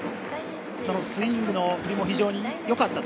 そのスイングの振りも非常によかった。